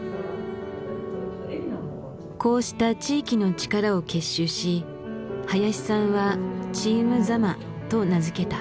こうした地域の力を結集し林さんは「チーム座間」と名付けた。